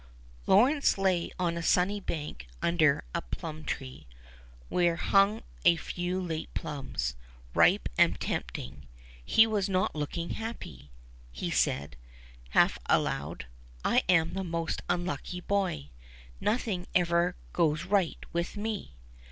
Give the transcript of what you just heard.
AWRENCE lay on a sunny bank under a plum tree, where hung a few late plums, ripe and tempting. He was not looking happy ; he said, half aloud, am the most unlucky boy! Nothing ever goes right with me